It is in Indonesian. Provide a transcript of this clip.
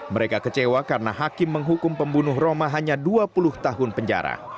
mereka kecewa karena hakim menghukum pembunuh roma hanya dua puluh tahun penjara